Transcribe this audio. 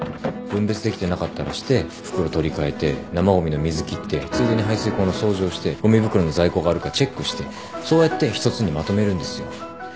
分別できてなかったらして袋取り換えて生ごみの水切ってついでに排水口の掃除をしてごみ袋の在庫があるかチェックしてそうやって１つにまとめるんですよ。